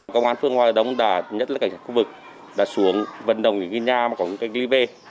công an phương hoa đồng đã nhất là cảnh sát khu vực đã xuống vận động những cái nhà mà còn có cái ly bê